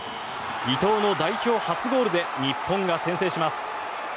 伊藤の代表初ゴールで日本が先制します。